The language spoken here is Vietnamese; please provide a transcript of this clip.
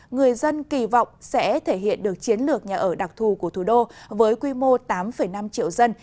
người dân kỳ vọng sẽ thể hiện được chiến lược nhà ở đặc thù của thủ đô với quy mô tám năm triệu dân